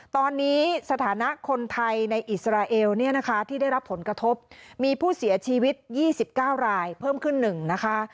ตอนนี้สถานะคนไทยในอิสราเอลเนี่ยนะคะที่ได้รับผลกระทบมีผู้เสียชีวิต๒๙รายเพิ่มขึ้น๑นะคะ